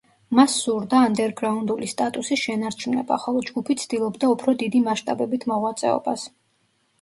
მას სურდა ანდერგრაუნდული სტატუსის შენარჩუნება, ხოლო ჯგუფი ცდილობდა უფრო დიდი მასშტაბებით მოღვაწეობას.